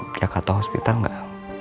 jakarta hospital gak